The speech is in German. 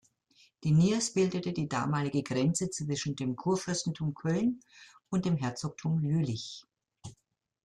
Die Niers bildete die damalige Grenze zwischen dem Kurfürstentum Köln und dem Herzogtum Jülich.